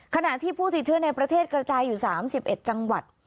ขณะที่ผู้ติดเชื้อในประเทศกระจายอยู่๓๑จังหวัด